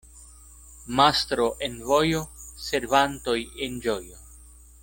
Mastro en vojo — servantoj en ĝojo.